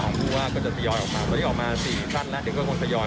ของภูว่าก็จะสยอยออกมาตอนนี้ออกมา๔สั้นแล้วก็คงสยอย